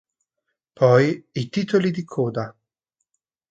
Poi i titoli di coda.